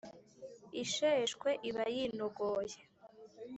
ishweshwe iba yinogoye